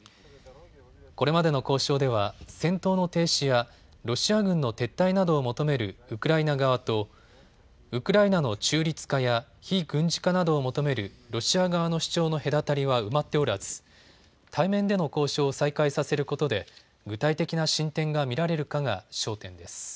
これまでの交渉では戦闘の停止やロシア軍の撤退などを求めるウクライナ側とウクライナの中立化や非軍事化などを求めるロシア側の主張の隔たりは埋まっておらず対面での交渉を再開させることで具体的な進展が見られるかが焦点です。